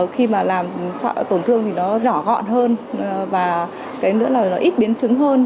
khi mà làm tổn thương thì nó nhỏ gọn hơn và cái nữa là nó ít biến chứng hơn